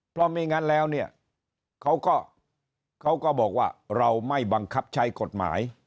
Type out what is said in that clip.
เพราะไม่งั้นแล้วเนี่ยเขาก็เขาก็บอกว่าเราไม่บังคับใช้กฎหมาย